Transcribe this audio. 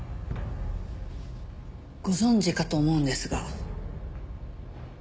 ご存じかと思うんですが。